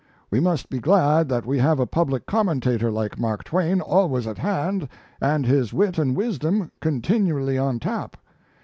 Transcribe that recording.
We must be glad that we have a public commentator like Mark Twain always at hand and his wit and wisdom continually on tap.